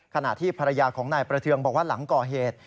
ขณะที่ภรรยาของนายประเทืองบอกว่าหลังก่อเหตุ